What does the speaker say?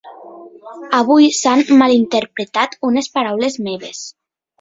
Avui s'han malinterpretat unes paraules meves.